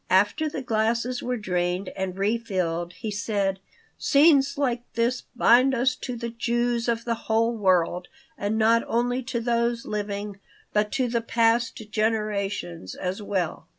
After the glasses were drained and refilled he said: "Scenes like this bind us to the Jews of the whole world, and not only to those living, but to the past generations as well.